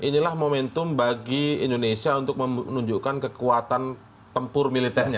inilah momentum bagi indonesia untuk menunjukkan kekuatan tempur militernya